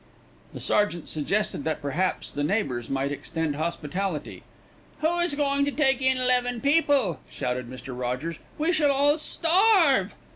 The sergeant suggested that perhaps the neighbours might extend hospitality. "Who is going to take in eleven people?" shouted Mr. Rogers. "We shall all starve!"